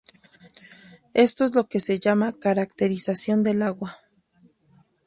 Esto es lo que se llama caracterización del agua.